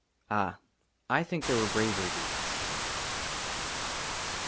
AH, 1 THINK THERE WERE BRAVER DEEDS.